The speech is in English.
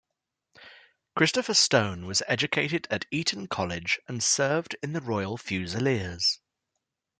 Christopher Stone was educated at Eton College and served in the Royal Fusiliers.